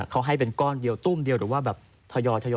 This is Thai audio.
เขาให้เป็นก้อนเดียวไหมตู้มเดียวหรือว่าอย่อย